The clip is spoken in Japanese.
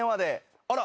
あら。